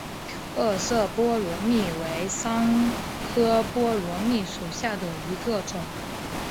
二色波罗蜜为桑科波罗蜜属下的一个种。